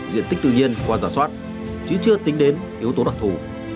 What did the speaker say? diện tích tự nhiên qua giả soát chứ chưa tính đến yếu tố đặc thù